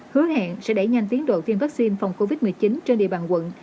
hứa hẹn sẽ đẩy nhanh tiến độ tiêm vaccine phòng covid một mươi chín trên địa bàn quận